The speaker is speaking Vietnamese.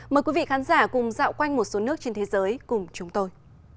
mời quý vị khán giả cùng dạo quanh một số nước trên thế giới cùng chúng tôi